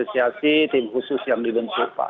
dengan apresiasi tim khusus yang dibentuk pak